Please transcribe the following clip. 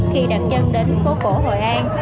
khi đặt chân đến phố cổ hội an